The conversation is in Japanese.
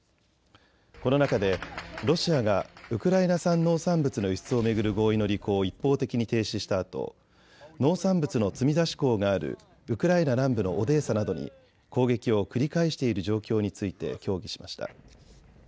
この中でロシアがウクライナ産農産物の輸出を巡る合意の履行を一方的に停止したあと農産物の積み出し港があるウクライナ南部のオデーサなどに攻撃を繰り返している状況について協議しました。